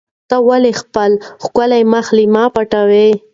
ته ولې خپل ښکلی مخ له ما څخه پټوې؟